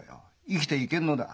生きていけんのだ。